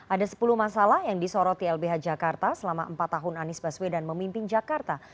ada sepuluh masalah yang disoroti lbh jakarta selama empat tahun anies baswedan memimpin jakarta